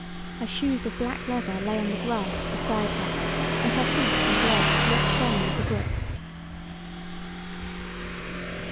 Her shoes of black leather lay on the grass beside her, and her feet and legs yet shone with the brook.